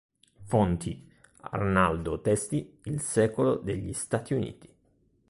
Fonti: Arnaldo Testi, "Il secolo degli Stati Uniti"